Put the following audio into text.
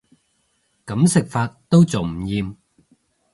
噉食法都仲唔厭